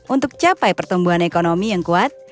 untuk capai pertumbuhan ekonomi yang kuat